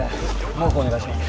毛布お願いします。